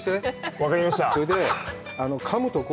分かりました。